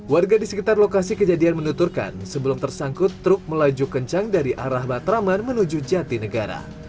warga di sekitar lokasi kejadian menuturkan sebelum tersangkut truk melaju kencang dari arah matraman menuju jatinegara